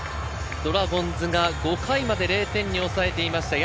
ドラゴンズが５回まで０点に抑えていました柳。